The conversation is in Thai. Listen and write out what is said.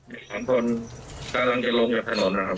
เด็กสามคนกำลังจะลงจากถนน